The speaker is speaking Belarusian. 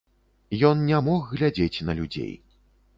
Ён не мог глядзець на людзей.